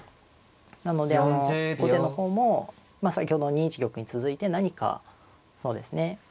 なのであの後手の方も先ほどの２一玉に続いて何かそうですね。